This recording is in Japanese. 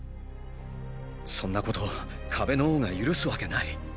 そんなことを壁の王が許すわけない。